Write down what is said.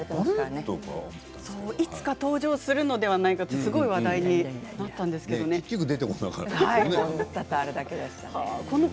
いつか登場するのではないかと、すごい話題に結局、出てこなかった。